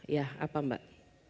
ya apa mbak